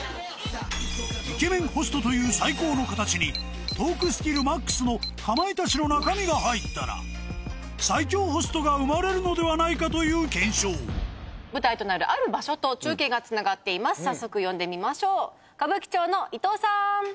イケメンホストという最高の形にトークスキルＭＡＸのかまいたちの中身が入ったら最強ホストが生まれるのではないかという検証舞台となる早速呼んでみましょう歌舞伎町の伊藤さん！